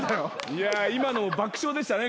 いや今の爆笑でしたね